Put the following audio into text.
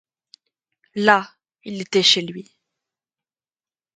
Là, il était chez lui.